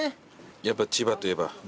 やっぱ千葉といえば。